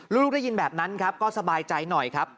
ลูกได้ยินแบบนั้นครับก็สบายใจหน่อยครับ